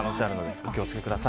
お気を付けください。